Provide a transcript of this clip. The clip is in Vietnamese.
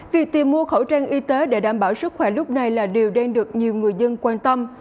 việc tìm mua khẩu trang y tế để đảm bảo sức khỏe lúc này là điều đang được nhiều người dân quan tâm